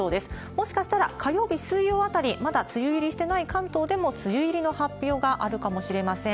もしかしたら火曜日、水曜あたり、まだ梅雨入りしてない関東でも、梅雨入りの発表があるかもしれません。